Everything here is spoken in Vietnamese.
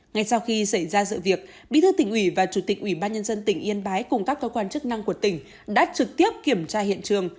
ngay sau khi xảy ra sự việc bí thư tỉnh ủy và chủ tịch ủy ban nhân dân tỉnh yên bái cùng các cơ quan chức năng của tỉnh đã trực tiếp kiểm tra hiện trường